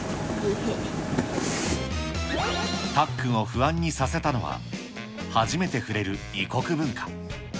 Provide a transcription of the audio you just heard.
たっくんを不安にさせたのは、初めて触れる異国文化。